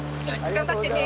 頑張ってね！